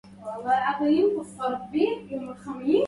لا تخش مني سلوا في هواك وإن